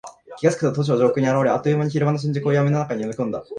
気付くと都庁上空に現れ、あっという間に昼間の新宿を闇の中に飲み込んだ。